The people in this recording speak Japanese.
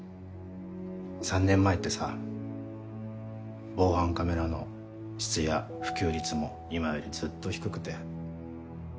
３年前ってさ防犯カメラの質や普及率も今よりずっと低くて。